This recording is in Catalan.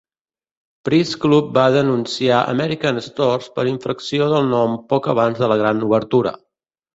Price Club va denunciar American Stores per infracció del nom poc abans de la gran obertura.